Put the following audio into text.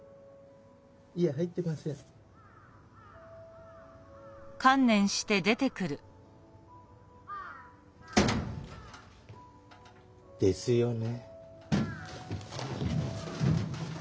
いや入ってません。ですよね。